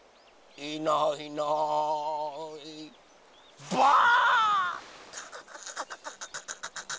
いないいないばあっ！